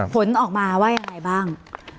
ผลออกมาว่ายังไงบ้าง